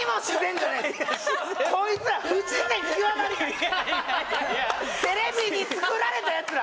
こいつらテレビに作られたやつら！